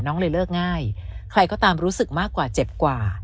น้องเลยเลิกง่ายใครก็ตามรู้สึกมากกว่าเจ็บกว่า